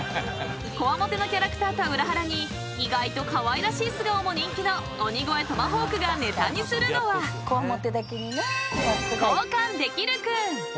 ［こわもてのキャラクターとは裏腹に意外とかわいらしい素顔も人気の鬼越トマホークがネタにするのは交換できるくん］